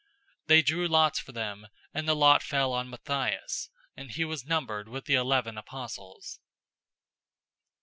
001:026 They drew lots for them, and the lot fell on Matthias, and he was numbered with the eleven apostles.